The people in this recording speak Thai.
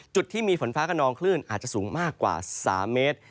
จุดที่มีฝนฟ้ากระนองคลื่นอาจจะสูงมากกว่า๓เมตร